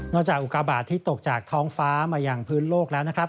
จากอุกาบาทที่ตกจากท้องฟ้ามาอย่างพื้นโลกแล้วนะครับ